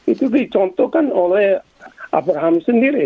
itu dicontohkan oleh abraham sendiri